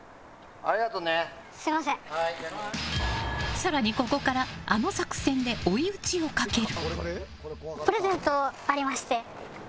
更に、ここからあの作戦で追い打ちをかける。